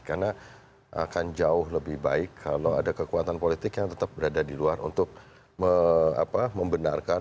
karena akan jauh lebih baik kalau ada kekuatan politik yang tetap berada di luar untuk membenarkan